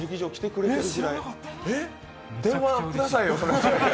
電話くださいよ。